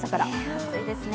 暑いですね。